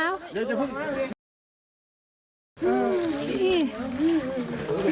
ไหนล่างเท้า